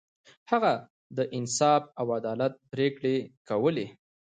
هغه د انصاف او عدالت پریکړې کولې.